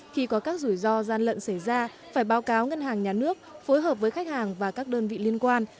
khi có các rủi ro gian lận xảy ra phải báo cáo ngân hàng nhà nước phối hợp với khách hàng và các đơn vị liên quan